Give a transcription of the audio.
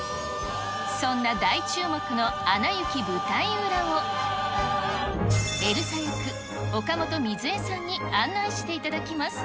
そんな大注目のアナ雪舞台裏を、エルサ役、岡本瑞恵さんに案内していただきます。